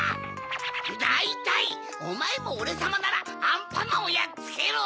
だいたいおまえもおれさまならアンパンマンをやっつけろ！